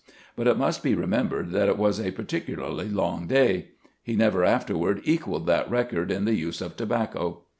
But it must be remembered that it was a particularly long day. He never afterward equaled that record in the use of tobacco.